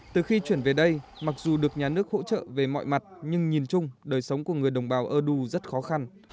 từ khi chuyển về đây mặc dù được nhà nước hỗ trợ về mọi mặt nhưng nhìn chung đời sống của người đồng bào ơ đu rất khó khăn